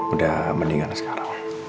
udah mendingan sekarang